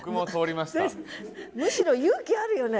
むしろ勇気あるよね。